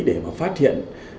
để mà phát hiện